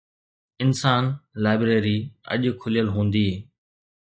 انسان، لائبريري اڄ کليل هوندي